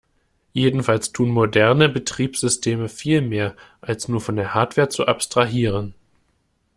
Jedenfalls tun moderne Betriebssysteme viel mehr, als nur von der Hardware zu abstrahieren.